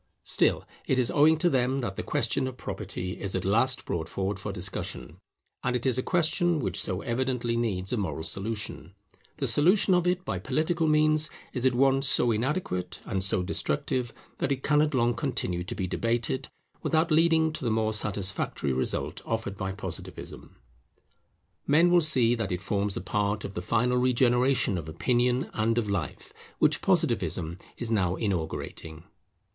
Still it is owing to them that the question of property is at last brought forward for discussion: and it is a question which so evidently needs a moral solution, the solution of it by political means is at once so inadequate and so destructive, that it cannot long continue to be debated, without leading to the more satisfactory result offered by Positivism. Men will see that it forms a part of the final regeneration of opinion and of life, which Positivism is now inaugurating.